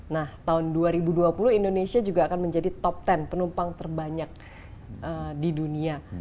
nah tahun dua ribu dua puluh indonesia juga akan menjadi top sepuluh penumpang terbanyak di dunia